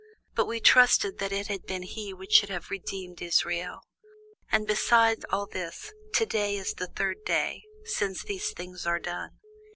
But we trusted that it had been he which should have redeemed Israel: and beside all this, to day is the third day since these things were done.